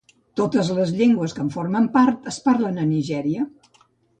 Totes les llengües que en formen part es parlen a Nigèria.